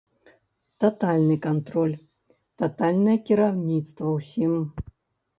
Татальны кантроль, татальнае кіраўніцтва ўсім.